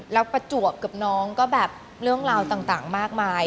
แล้วประจวบกับน้องก็แบบเรื่องราวต่างมากมาย